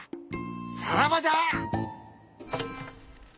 さらばじゃ！